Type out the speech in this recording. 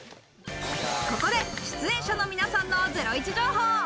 ここで出演者の皆さんのゼロイチ情報。